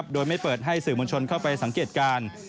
โดยไม่เปิดให้สื่อมวลชนเข้าไปสังเกตการณ์